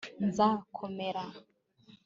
nzakomera